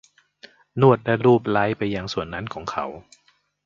นวดและลูบไล้ไปยังส่วนนั้นของเขา